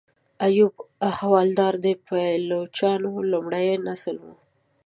ایوب احوالدار د پایلوچانو لومړی نسل و.